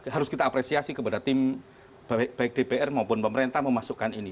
harus kita apresiasi kepada tim baik dpr maupun pemerintah memasukkan ini